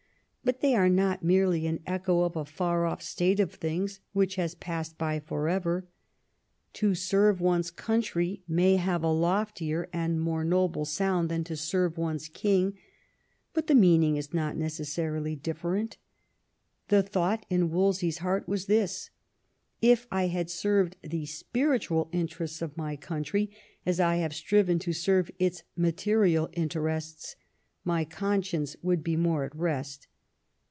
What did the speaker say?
But they are not merely an echo of a far off state of things which has passed by for ever. " To serve one's country *' may have a loftier and more noble sound than "to serve one's king," but the meaning is not necessarily different The thought in Wolsejr's heart was this —" If I had served the spiritual interests of my country as I have striven to serve its material interests my conscience would be more at rest."